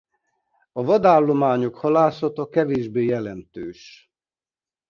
A vad állományok halászata kevésbé jelentős.